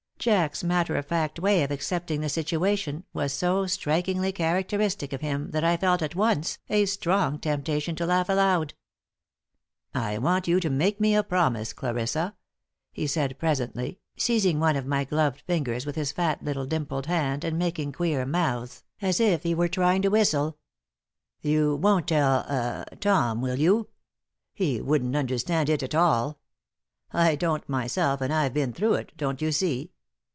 Jack's matter of fact way of accepting the situation was so strikingly characteristic of him that I had felt, at once, a strong temptation to laugh aloud. "I want you to make me a promise, Clarissa," he said, presently, seizing one of my gloved fingers with his fat little dimpled hand and making queer mouths, as if he were trying to whistle. "You won't tell ah Tom, will you? He wouldn't understand it at all. I don't myself, and I've been through it, don't you see?